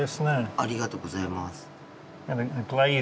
ありがとうございます。